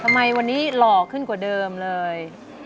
ทำไมวันนี้หล่อขึ้นกว่าเดิมเลย